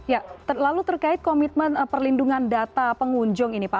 ya lalu terkait komitmen perlindungan data pengunjung ini pak